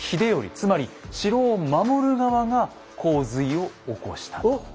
つまり城を守る側が洪水を起こしたと。